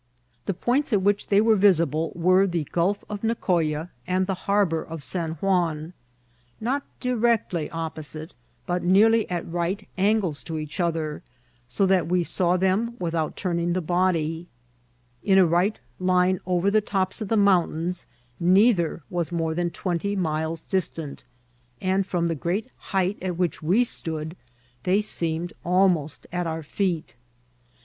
The points at which they were visible were the Gulf of Nicoya and the harbour of San Juan, not directly opposite, but nearly at right angles to each other, so that we saw them without turning the body* In a right line over the tops of the noountains neither was more than twen ty miles distant, and from the great height at which we stood they seemed almost at our feet.